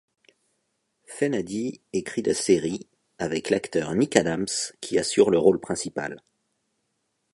Fenady écrit la série ' avec l'acteur Nick Adams qui assure le rôle principal.